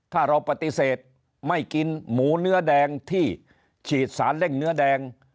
ถ้าเราปฏิเสธไม่กินหมูเนื้อแดงที่ฉีดสารเร่งเนื้อแดง